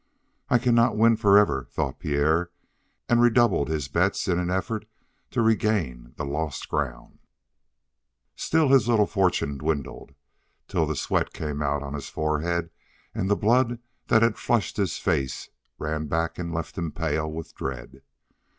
"I cannot win forever," thought Pierre, and redoubled his bets in an effort to regain the lost ground. Still his little fortune dwindled, till the sweat came out on his forehead and the blood that had flushed his face ran back and left him pale with dread.